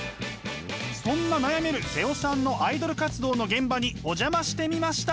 そんな悩める妹尾さんのアイドル活動の現場にお邪魔してみました！